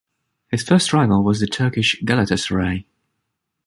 His first rival was the Turkish Galatasaray.